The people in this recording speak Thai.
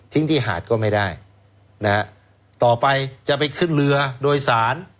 ที่หาดก็ไม่ได้นะฮะต่อไปจะไปขึ้นเรือโดยสาร